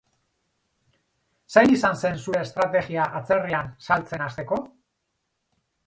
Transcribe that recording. Zein izan zen zure estrategia atzerrian saltzen hasteko?